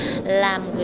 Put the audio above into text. với các người